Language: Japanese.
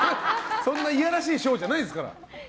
そんないやらしい賞じゃないですから。